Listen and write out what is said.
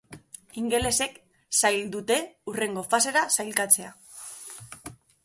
Ingelesek zail dute hurrengo fasera sailkatzea.